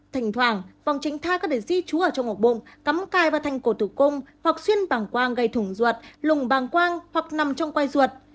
thỉnh thoảng vòng tránh thai có thể di trú ở trong ổ bụng cắm cai và thành cổ tử cung hoặc xuyên bằng quang gây thủng ruột lùng bằng quang hoặc nằm trong quay ruột